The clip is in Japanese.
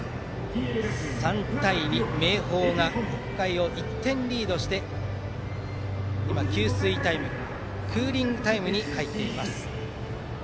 ３対２明豊が北海を１点リードしてクーリングタイムに入っています。